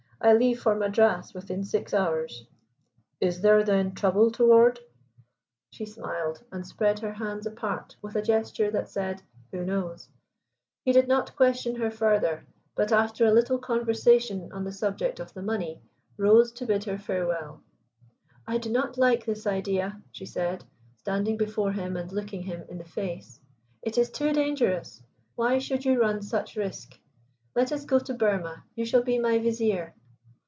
I leave for Madras within six hours." "Is there, then, trouble toward?" She smiled, and spread her hands apart with a gesture that said: "Who knows?" He did not question her further, but after a little conversation on the subject of the money, rose to bid her farewell. "I do not like this idea," she said, standing before him and looking him in the face. "It is too dangerous. Why should you run such risk? Let us go to Burma. You shall be my vizier."